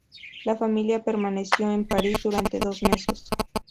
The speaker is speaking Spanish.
La familia permaneció en París durante dos meses.